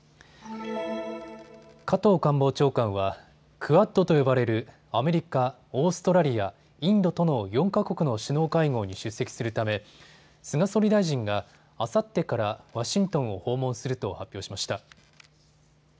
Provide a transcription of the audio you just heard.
加藤官房長官はクアッドと呼ばれるアメリカ、オーストラリア、インドとの４か国の首脳会合に出席するため菅総理大臣があさってからワシントンを訪問すると発表しました。